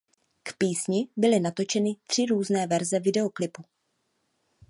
K písni byly natočeny tři různé verze videoklipu.